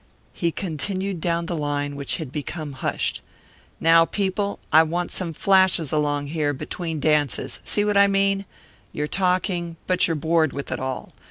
He continued down the line, which had become hushed. "Now, people. I want some flashes along here, between dances see what I mean? You're talking, but you're bored with it all.